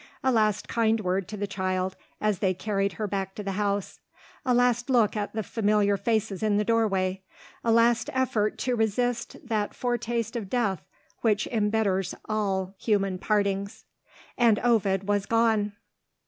A last kind word to the child, as they carried her back to the house; a last look at the familiar faces in the doorway; a last effort to resist that foretaste of death which embitters all human partings and Ovid was gone!